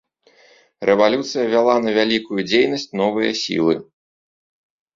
Рэвалюцыя вяла на вялікую дзейнасць новыя сілы.